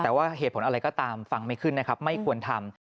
แต่ว่าเหตุผลอะไรก็ตามฟังไม่ขึ้นนะครับไม่ควรทำ